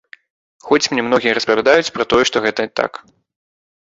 Хоць мне многія распавядаюць пра тое, што гэта так.